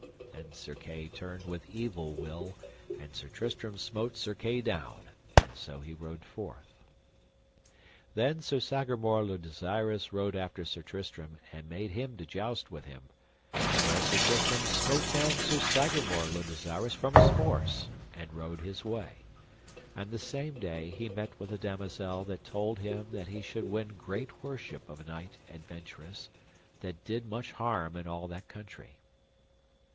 Then Sir Kay turned with evil will, and Sir Tristram smote Sir Kay down, and so he rode forth. Then Sir Sagramore le Desirous rode after Sir Tristram, and made him to joust with him, and there Sir Tristram smote down Sir Sagramore le Desirous from his horse, and rode his way; and the same day he met with a damosel that told him that he should win great worship of a knight adventurous that did much harm in all that country.